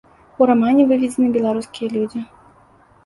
У рамане выведзены беларускія людзі.